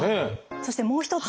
そしてもう一つ。